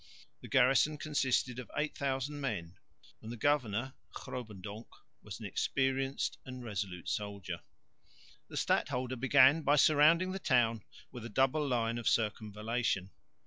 The garrison consisted of 8000 men, and the governor, Grobendonc, was an experienced and resolute soldier. The stadholder began by surrounding the town with a double line of circumvallation.